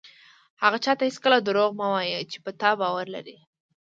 هغه چاته هېڅکله دروغ مه وایه چې په تا باور لري.